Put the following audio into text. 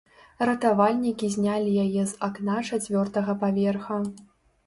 Ратавальнікі знялі яе з акна чацвёртага паверха.